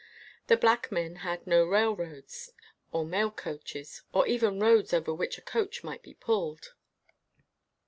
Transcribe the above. The black men had no railroads, or mail coaches or even roads over which a coach might be pulled.